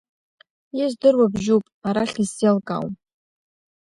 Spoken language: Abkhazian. Издыруа бжьуп, арахь исзеилкаауам.